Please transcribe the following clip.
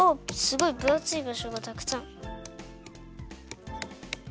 すごいぶあついばしょがたくさん。